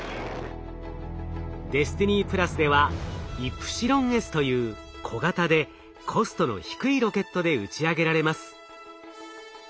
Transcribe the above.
ＤＥＳＴＩＮＹではイプシロンＳという小型でコストの低いロケットで打ち上げられます。